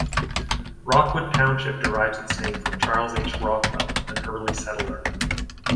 Rockwood Township derives its name from Charles H. Rockwell, an early settler.